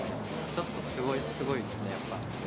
ちょっとすごいっすね、やっぱ。